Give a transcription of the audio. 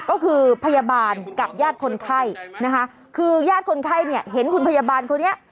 ก็คือพยาบาลกับญาติคนไข้นะคะคือญาติคนไข้เนี่ยเห็นคุณพยาบาลคนนี้